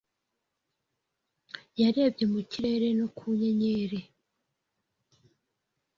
Yarebye mu kirere no ku nyenyeri.